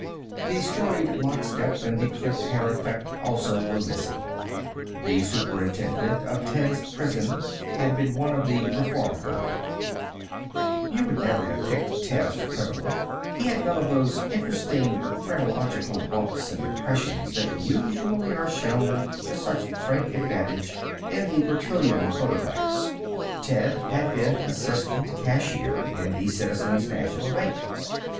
The storied lock step and the clipped hair effect also were missing. The superintendent of Ted's prison had been one of the reform kind. You never would have picked Ted for a criminal. He had none of those interesting phrenological bumps and depressions that usually are shown to such frank advantage in the Bertillon photographs. Ted had been assistant cashier in the Citizens' National Bank.